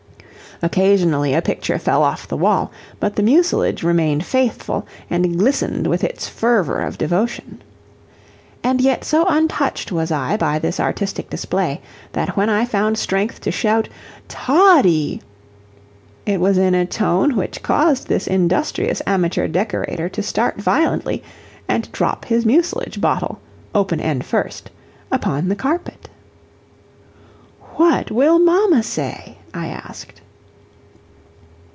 Occasionally, a picture fell off the wall, but the mucilage remained faithful, and glistened with its fervor of devotion. And yet so untouched was I by this artistic display, that when I found strength to shout "Toddie!" it was in a tone which caused this industrious amateur decorator to start violently, and drop his mucilage bottle, open end first, upon the carpet. "What will mamma say?" I asked.